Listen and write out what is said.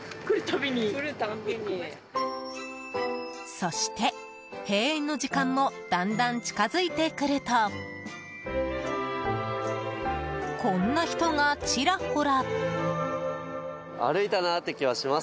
そして、閉園の時間もだんだん近づいてくるとこんな人がちらほら。